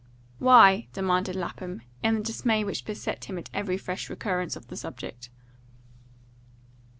"Why?" demanded Lapham, in the dismay which beset him at every fresh recurrence to the subject.